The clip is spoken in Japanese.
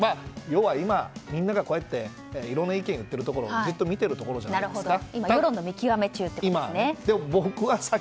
要は、今、みんながいろんな意見を言っているところをずっと見ているところじゃないですか。